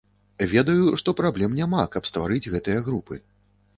Ведаю, што праблем няма, каб стварыць гэтыя групы.